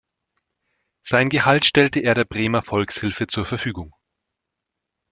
Sein Gehalt stellte er der "Bremer Volkshilfe" zur Verfügung.